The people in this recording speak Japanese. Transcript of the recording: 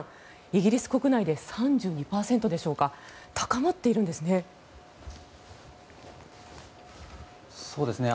イギリス国民で３２％でしょうか高まっているんですね。